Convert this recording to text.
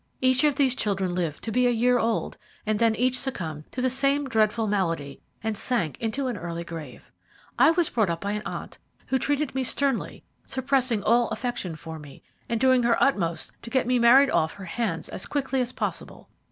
Each of these children lived to be a year old, and then each succumbed to the same dreadful malady, and sank into an early grave. I was brought up by an aunt, who treated me sternly, suppressing all affection for me, and doing her utmost to get me married off her hands as quickly as possible.